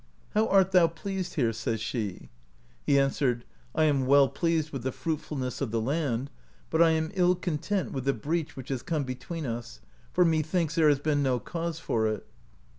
"How art thou pleased here ?" says she. He answered : "I am well pleased with the fruitfulness of the land, but I am ill content with the breach which has come between us, for, methinks, there has been no cause for it."